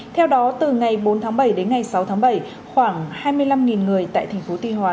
theo đó từ ngày bốn tháng bảy đến ngày sáu tháng bảy khoảng hai mươi năm người tại thành phố tuy hòa